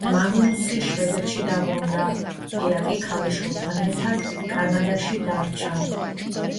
მაგნუსი შვედეთში დაბრუნდა, პია კი ქალიშვილთან ერთად კანადაში დარჩა.